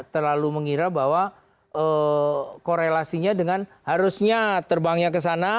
terlalu mengira bahwa korelasinya dengan harusnya terbangnya ke sana